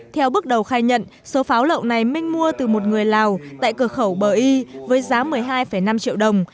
theo bước đầu khai nhận số pháo lậu này minh mua từ một người lào tại cửa khẩu bờ y với giá một mươi hai năm triệu đồng